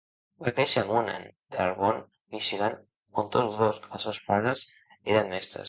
Va créixer amunt en Dearborn, Michigan, on tots dos els seus pares eren mestres.